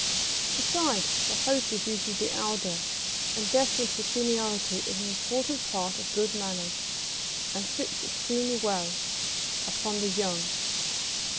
Besides, the host is usually the elder, and deference to seniority is an important part of good manners, and sits extremely well upon the young.